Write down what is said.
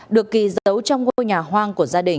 được kỳ giấu trong ngôi nhà hoang của gia đình